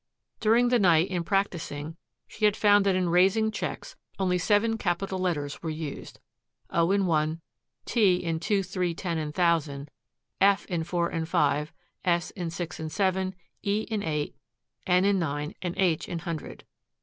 During the night in practising she had found that in raising checks only seven capital letters were used O in one, T in two, three, ten, and thousand, F in four and five, S in six and seven, E in eight, N in nine and H in hundred.